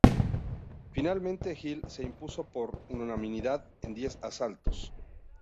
Finalmente Hill se impuso por unanimidad en diez asaltos.